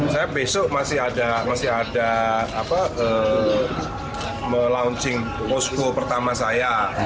saya besok masih ada melaunching posko pertama saya